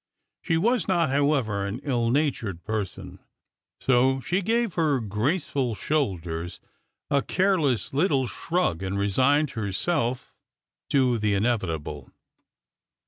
She was not, however, an ill natured person, so she gave her graceful shoulders a careless little shrug, and resigned herself to the inevitable.